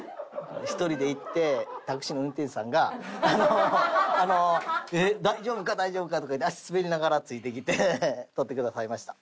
１人で行ってタクシーの運転手さんが「大丈夫か？大丈夫か？」とか言って足滑りながらついてきて撮ってくださいました。